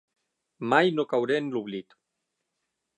Mai no cauré en l'oblit.